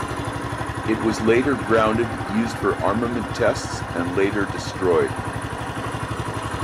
It was later grounded, used for armament tests, and later destroyed.